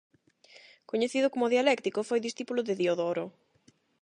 Coñecido como o Dialéctico, foi discípulo de Diodoro.